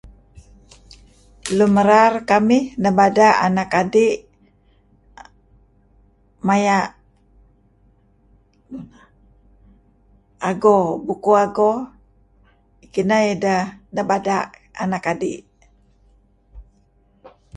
Lun merar kamih nebada' anak adi' maya' Ao, Bukuh Ago. Kineh ideh nebada' anak adi'.